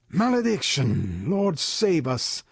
"Malediction! Lord save us!"